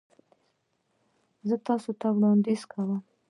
زه تاسو ته وړاندیز کوم